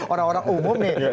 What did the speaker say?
orang orang umum nih